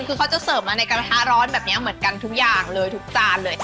คือเขาจะเสิร์ฟมาในกระทะร้อนแบบนี้เหมือนกันทุกอย่างเลยทุกจานเลย